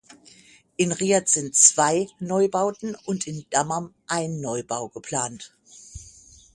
In Riad sind zwei Neubauten und in Dammam ein Neubau geplant.